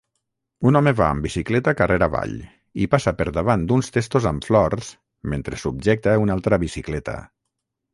Un home va amb bicicleta carrer avall i passa per davant d'uns testos amb flors, mentre subjecta una altra bicicleta.